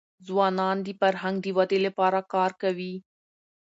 ځوانان د فرهنګ د ودې لپاره کار کوي.